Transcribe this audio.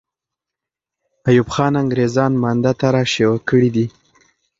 ایوب خان انګریزان مانده ته را شوه کړي دي.